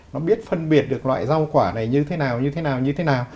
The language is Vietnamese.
nó biết phân biệt được loại rau quả này như thế nào như thế nào như thế nào